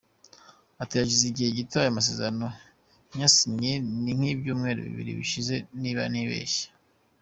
Ati “Hashize igihe gito ayo masezerano nyasinye, ni nk’ibyumweru bibiri bishize niba ntibeshye.